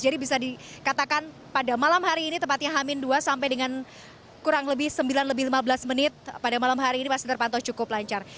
jadi bisa dikatakan pada malam hari ini tempatnya hamin dua sampai dengan kurang lebih sembilan lebih lima belas menit pada malam hari ini masih terpantau cukup lancar